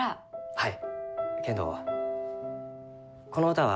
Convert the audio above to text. はい。